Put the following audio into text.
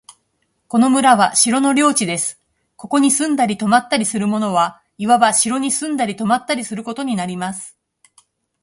この村は城の領地です。ここに住んだり泊ったりする者は、いわば城に住んだり泊ったりすることになります。